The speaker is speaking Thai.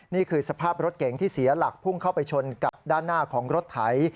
นี่คือสภาพรถเก๋งที่เสียหลักพุ่งเข้าไปชนกับด้านหน้าของรถไถ